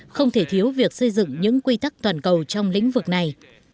không thể thiếu việc xây dựng những quy tắc toàn cầu trong lĩnh vực này